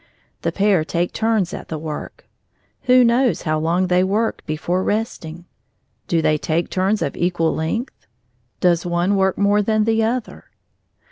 The pair take turns at the work. Who knows how long they work before resting? Do they take turns of equal length? Does one work more than the other?